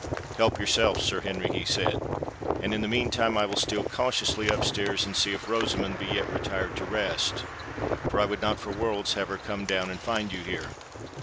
"Help yourself, Sir Henry," he said: "and in the meantime I will steal cautiously up stairs and see if Rosamond be yet retired to rest—for I would not for worlds have her come down and find you here."